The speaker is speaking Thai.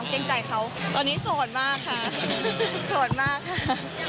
เกรงใจเขาตอนนี้โสดมากค่ะโสดมากค่ะ